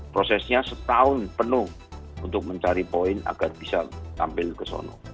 prosesnya setahun penuh untuk mencari poin agar bisa tampil ke sana